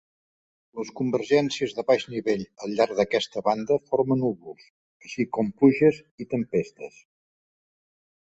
Les convergències de baix nivell al llarg d'aquesta banda forma núvols, així com pluges i tempestes.